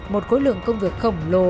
một khối lượng công việc khổng lồ